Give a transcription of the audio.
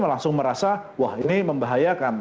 langsung merasa wah ini membahayakan